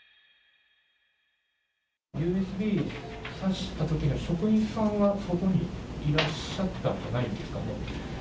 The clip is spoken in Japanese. ＵＳＢ挿したときに職員さんはそこにいらっしゃったんじゃないんですかね？